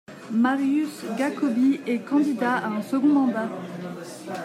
Marius Gacobbi est candidat à un second mandat.